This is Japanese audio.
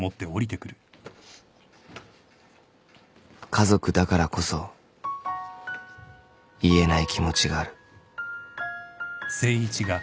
［家族だからこそ言えない気持ちがある］